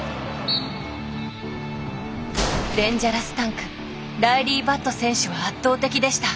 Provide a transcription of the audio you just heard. デンジャラスタンクライリー・バット選手は圧倒的でした。